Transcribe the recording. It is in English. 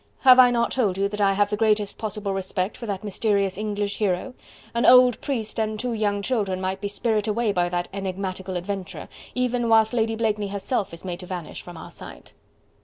Have I not told you that I have the greatest possible respect for that mysterious English hero.... An old priest and two young children might be spirited away by that enigmatical adventurer, even whilst Lady Blakeney herself is made to vanish from our sight.